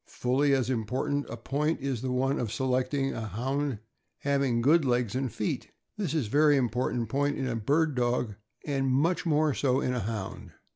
Fully as important a point is the one of selecting a Hound having good legs and feet. This is a very important point in a bird dog, and much more so in a Hound.